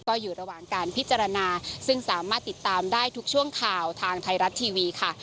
ก็อยู่ระหว่างการพิจารณาซึ่งสามารถติดตามได้ทุกช่วงข่าวทางไทยรัฐทีวีค่ะ